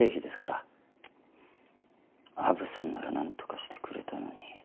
ちっ虻さんなら何とかしてくれたのに。